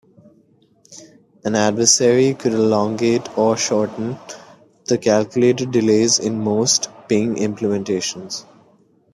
An adversary could elongate or shorten the calculated delays in most ping implementations.